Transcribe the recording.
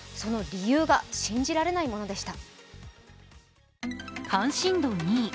理由が信じられないものでした。